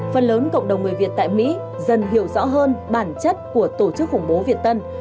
phần lớn cộng đồng người việt tại mỹ dần hiểu rõ hơn bản chất của tổ chức khủng bố việt tân